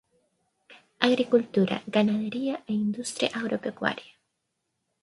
Agricultura, ganadería e industria agropecuaria.